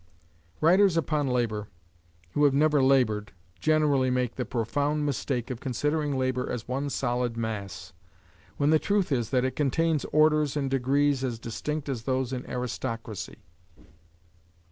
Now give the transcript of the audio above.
Writers upon labor, who have never labored, generally make the profound mistake of considering labor as one solid mass, when the truth is that it contains orders and degrees as distinct as those in aristocracy.